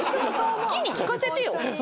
好きに聴かせてよ。